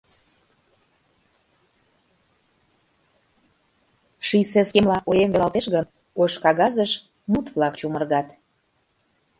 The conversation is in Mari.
Ший сескемла оем велалтеш гын, Ош кагазыш мут-влак чумыргат.